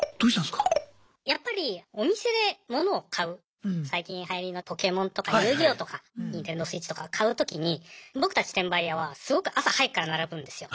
やっぱりお店で物を買う最近はやりのポケモンとか遊戯王とかニンテンドースイッチとか買うときに僕たち転売ヤーはすごく朝早くから並ぶんですよ。